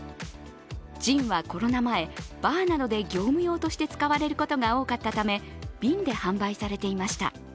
ジンはコロナ前、バーなどで業務用として使われることが多かったため瓶で販売されていました。